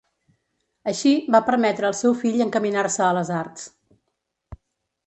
Així, va permetre al seu fill encaminar-se a les arts.